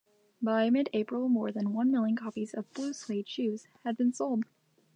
By mid-April, more than one million copies of "Blue Suede Shoes" had been sold.